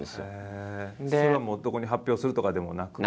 それはどこに発表するとかでもなく？